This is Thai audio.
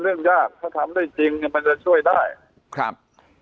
เรื่องยากถ้าทำได้จริงเนี่ยมันจะช่วยได้ครับ